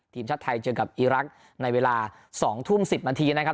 ทีมชาติไทยเจอกับอีรักษ์ในเวลา๒ทุ่ม๑๐นาทีนะครับ